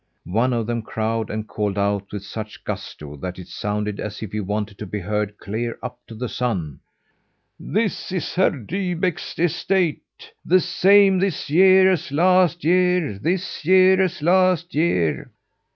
One of them crowed and called out with such gusto that it sounded as if he wanted to be heard clear up to the sun: "This is Herr Dybeck's estate; the same this year as last year; this year as last year."